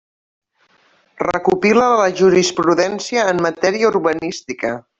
Recopila la jurisprudència en matèria urbanística.